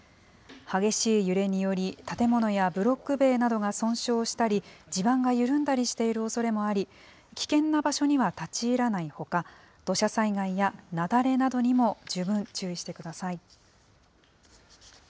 激しい揺れにより、建物やブロック塀などが損傷したり、地盤が緩んだりしているおそれもあり、危険な場所には立ち入らないほか、土砂災害や雪崩などにも十分注意してください。